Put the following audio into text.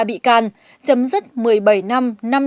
bị can chấm dứt một mươi bảy năm